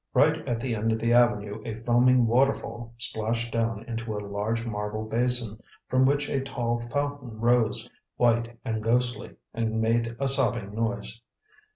Right at the end of the avenue a foaming waterfall splashed down into a large marble basin, from which a tall fountain rose, white and ghostly, and made a sobbing noise.